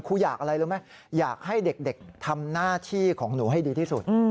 อยากอะไรรู้ไหมอยากให้เด็กทำหน้าที่ของหนูให้ดีที่สุด